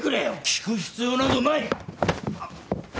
聞く必要などない！